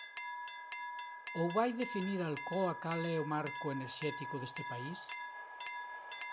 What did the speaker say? ¿Ou vai definir Alcoa cal é o marco enerxético deste país?